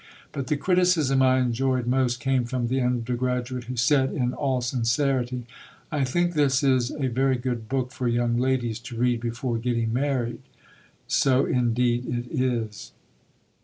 But the criticism I enjoyed most came from the undergraduate who said in all sincerity, "I think this is a very good book for young ladies to read before getting married." So indeed it is.